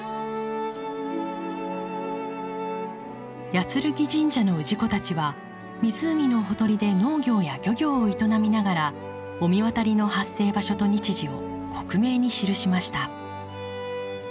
八劔神社の氏子たちは湖のほとりで農業や漁業を営みながら御神渡りの発生場所と日時を克明に記しました。